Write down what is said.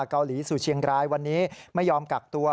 เกาหลีสู่เชียงรายวันนี้ไม่ยอมกักตัว